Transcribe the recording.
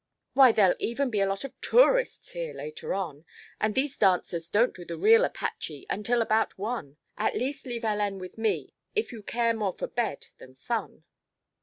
Why, there'll even be a lot of tourists here later on, and these dancers don't do the real Apache until about one. At least leave Hélène with me, if you care more for bed than fun."